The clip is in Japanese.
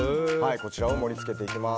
こちらを盛り付けていきます。